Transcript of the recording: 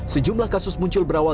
sejumlah kasus muncul berawal